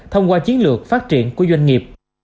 thông qua chiến lược phát triển của doanh nghiệp